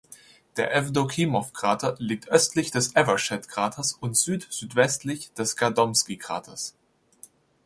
Der Evdokimov-Krater liegt östlich des Evershed-Kraters und süd-südwestlich des Gadomski-Kraters.